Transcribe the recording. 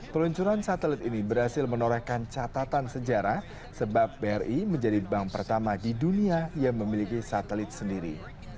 peluncuran satelit ini berhasil menorehkan catatan sejarah sebab bri menjadi bank pertama di dunia yang memiliki satelit sendiri